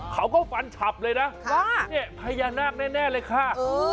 เขาก็ฟันฉับเลยนะภัยนักแน่เลยค่ะ